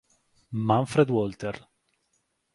Manfred Walter